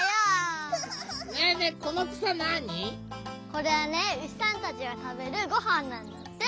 これはねうしさんたちがたべるごはんなんだって。